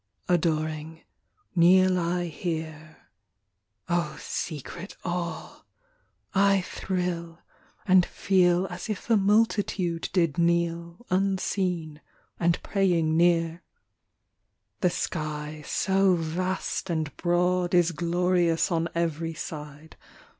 Adoring, kneel I here : secret awe ! I thrill, and feel As if a multitude did kneel. Unseen, and praying near. The sky, so vast and broad. Is glorious on every side.